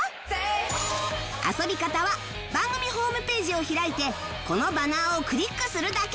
遊び方は番組ホームページを開いてこのバナーをクリックするだけ